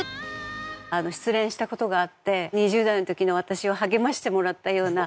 失恋した事があって２０代の時の私を励ましてもらったような。